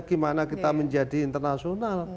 bagaimana kita menjadi internasional